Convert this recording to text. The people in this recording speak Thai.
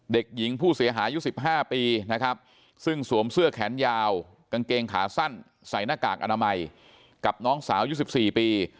เด็กหญิงผู้เสียหายอายุ๑๕ปีนะครับซึ่งสวมเสื้อแขนยาวกางเกงขาสั้นใส่หน้ากากอนามัยกับน้องสาวยุค๑๔ปี